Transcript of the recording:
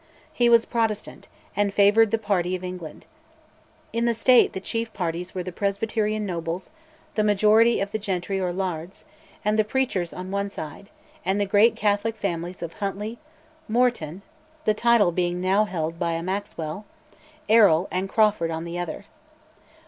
He was Protestant, and favoured the party of England. In the State the chief parties were the Presbyterian nobles, the majority of the gentry or lairds, and the preachers on one side; and the great Catholic families of Huntly, Morton (the title being now held by a Maxwell), Errol, and Crawford on the other.